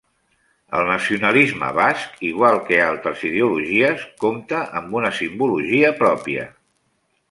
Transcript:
El nacionalisme basc, igual que altres ideologies, compte amb una simbologia pròpia.